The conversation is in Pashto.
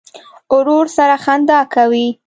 ورور سره خندا کوې.